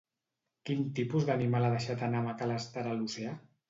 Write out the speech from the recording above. Quin tipus d'animal ha deixat anar McAllester a l'oceà?